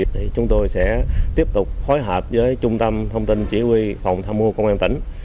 thì chúng tôi sẽ tiếp tục phối hợp với trung tâm thông tin chỉ huy phòng tham mô công an tỉnh